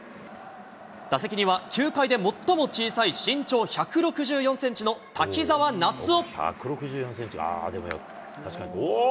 打席には球界で最も小さい身長１６４センチの滝澤夏央。